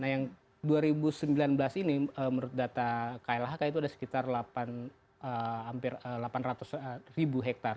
nah yang dua ribu sembilan belas ini menurut data klhk itu ada sekitar delapan ratus ribu hektare